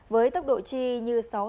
với tốc độ chi như sáu tháng